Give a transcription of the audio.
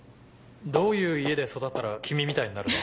どういう家で育ったら君みたいになるの？